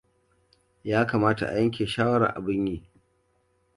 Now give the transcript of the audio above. Ya kamata a yanke shawarar abin yi.